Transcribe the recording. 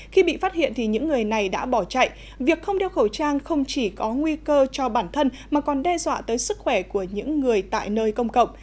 khi bị phát hiện thì những người này đã bỏ chạy việc không đeo khẩu trang không chỉ có nguy cơ cho bản thân mà còn đe dọa tới sức khỏe của những người tại nơi công cộng